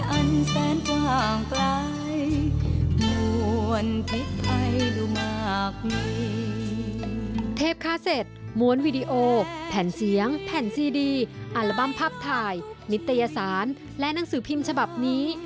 อัลบั้มภาพถ่ายนิตยสารและหนังสือพิมพ์ฉบับนี้